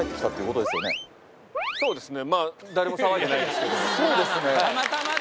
そうですね。